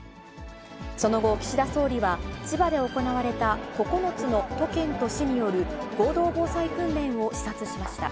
その後、岸田総理は、千葉で行われた９つの都県と市による合同防災訓練を視察しました。